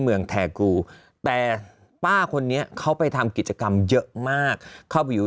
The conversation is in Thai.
เมืองแทกูแต่ป้าคนนี้เขาไปทำกิจกรรมเยอะมากเข้าไปอยู่